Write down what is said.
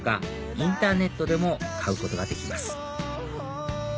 インターネットでも買うことができます